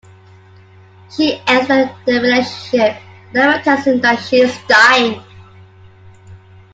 She ends their relationship and never tells him that she is dying.